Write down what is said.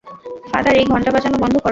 Father, এই ঘন্টা বাজানো বন্ধ করো!